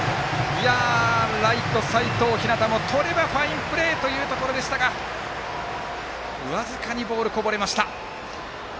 ライト、齋藤陽もとればファインプレーというところ僅かにボールがこぼれました。